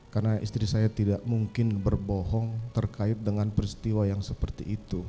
karena istri saya tidak mungkin berbohong terkait dengan peristiwa yang seperti itu